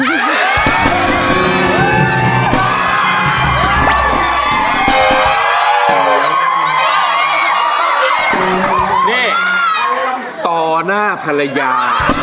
นี่ต่อหน้าภรรยา